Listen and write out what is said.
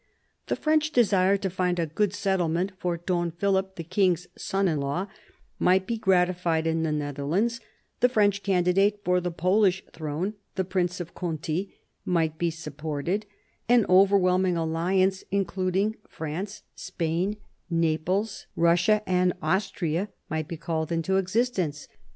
The French desire to find a good settlement for Don Philip, the king's son in law, might be gratified in the Netherlands: the French candidate for the Polish throne, the Prince of Conti, might be supported : an overwhelming alliance, including France, Spain, Naples, 1748 55 CHANGE OF ALLIANCES 105 Russia, and Austria, might be called into existence.